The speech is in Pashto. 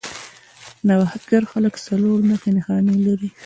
نوښتګر خلک څلور نښې نښانې لري.